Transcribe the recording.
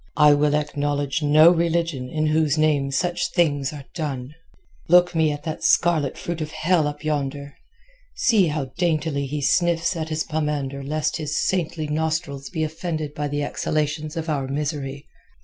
"I will acknowledge no religion in whose name such things are done. Look me at that scarlet fruit of hell up yonder. See how daintily he sniffs at his pomander lest his saintly nostrils be offended by the exhalations of our misery.